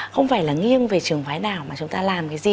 không phải là nghiêng về trường vái nào mà chúng ta làm cái gì